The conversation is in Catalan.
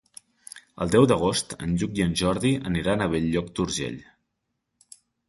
El deu d'agost en Lluc i en Jordi aniran a Bell-lloc d'Urgell.